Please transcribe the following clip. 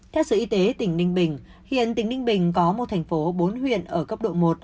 theo sở y tế tỉnh ninh bình hiện tỉnh ninh bình có một thành phố bốn huyện ở cấp độ một